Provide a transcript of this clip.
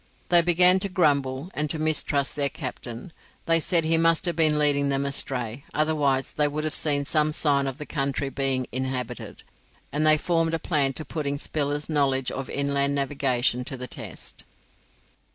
They began to grumble, and to mistrust their captain; they said he must have been leading them astray, otherwise they would have seen some sign of the country being inhabited, and they formed a plan for putting Spiller's knowledge of inland navigation to the test.